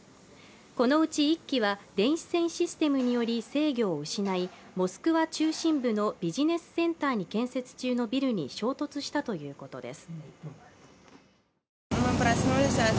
このうち１機は電子戦システムにより制御を失い、モスクワ中心部のビジネスセンターに建設中のビルに衝突したということです。